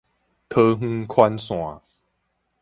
桃園環線